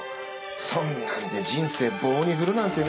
そんなんで人生棒に振るなんてね